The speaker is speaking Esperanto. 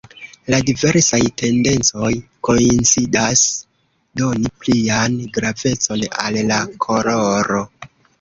La diversaj tendencoj koincidas doni plian gravecon al la koloro.